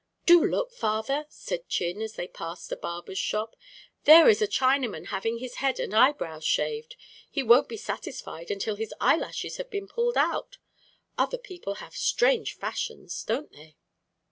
"Do look, father," said Chin, as they passed a barber's shop. "There is a Chinaman having his head and eyebrows shaved. He won't be satisfied until his eyelashes have been pulled out. Other people have strange fashions, don't they?"